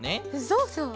そうそう！